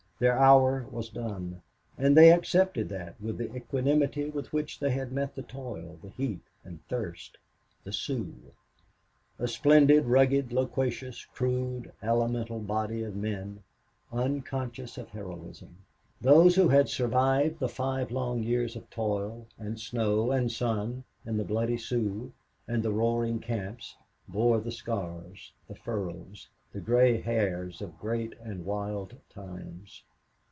Their hour was done. And they accepted that with the equanimity with which they had met the toil, the heat and thirst, the Sioux. A splendid, rugged, loquacious, crude, elemental body of men, unconscious of heroism. Those who had survived the five long years of toil and snow and sun, and the bloody Sioux, and the roaring camps, bore the scars, the furrows, the gray hairs of great and wild times.